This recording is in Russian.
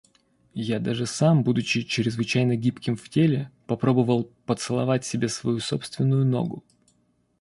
Я даже сам, будучи чрезвычайно гибким в теле, попробовал поцеловать себе свою собственную ногу.